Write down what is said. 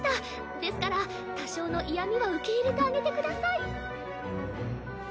ですから多少の嫌みは受け入れてあげてください。